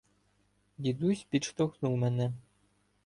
Дідусь підштовхнув мене.